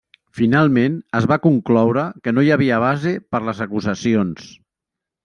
Finalment es va concloure que no hi havia base per les acusacions.